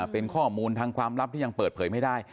เป็นข้อมูลทางความลับที่ยังเปิดเผยไม่ได้